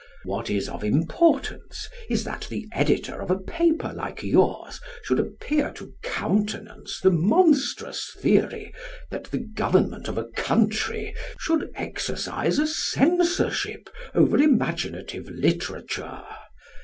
What is of importance is that the editor of a paper like yours should appear to countenance the monstrous theory that the Government of a country should exercise a censorship over imaginative literature.